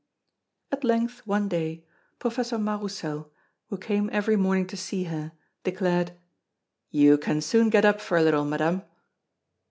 At length, one day, Professor Mas Roussel, who came every morning to see her, declared: "You can soon get up for a little, Madame."